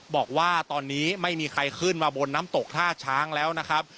บอกว่าตอนนี้ไม่มีใครขึ้นมาบนน้ำตกท่าช้างแล้วนะครับ